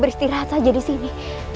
istirahat saja disini